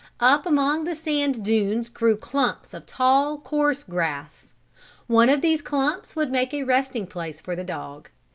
Up among the sand dunes grew clumps of tall, coarse grass. One of these clumps would make a resting place for the dog.